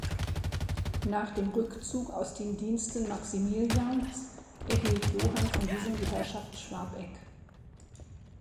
Nach dem Rückzug aus den Diensten Maximilians erhielt Johann von diesem die Herrschaft Schwabegg.